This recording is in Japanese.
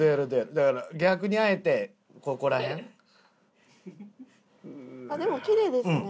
だから逆にあえてここら辺？でもキレイですね。